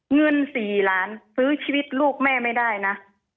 เงิน๔ล้านซื้อชีวิตลูกแม่ไม่ได้นะ